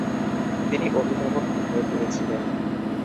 তিনি অভিভাবকহীন হয়ে পড়েছিলেন।